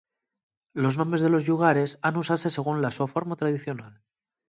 Los nomes de los llugares han usase según la so forma tradicional.